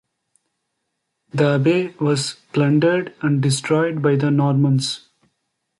The abbey was plundered and destroyed by the Normans.